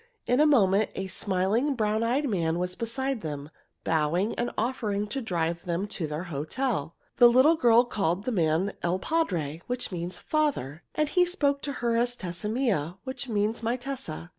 In a moment a smiling, brown eyed man was beside them, bowing and offering to drive them to their hotel. The little girl called the man il padre, which means "father," and he spoke to her as Tessa mia, which means "my Tessa."